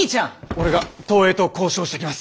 俺が東映と交渉してきます。